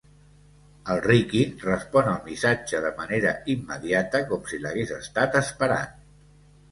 El Riqui respon al missatge de manera immediata, com si l'hagués estat esperant.